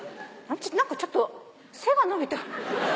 何かちょっと背が伸びた？